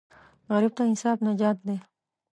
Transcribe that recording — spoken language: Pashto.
غریب ته انصاف نجات دی